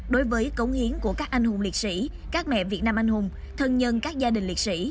đối với cống hiến của các anh hùng liệt sĩ các mẹ việt nam anh hùng thân nhân các gia đình liệt sĩ